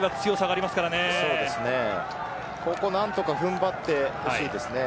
ここは何とか踏ん張ってほしいです。